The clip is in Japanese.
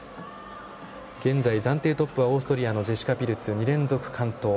現在、暫定トップはオーストリアのジェシカ・ピルツ２連続完登。